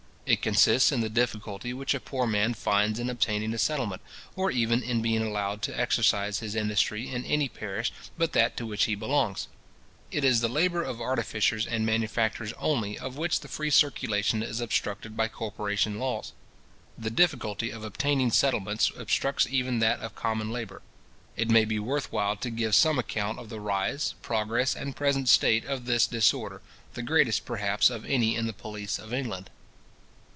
It consists in the difficulty which a poor man finds in obtaining a settlement, or even in being allowed to exercise his industry in any parish but that to which he belongs. It is the labour of artificers and manufacturers only of which the free circulation is obstructed by corporation laws. The difficulty of obtaining settlements obstructs even that of common labour. It may be worth while to give some account of the rise, progress, and present state of this disorder, the greatest, perhaps, of any in the police of England.